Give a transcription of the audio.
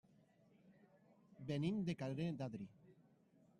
Venim de Canet d'Adri.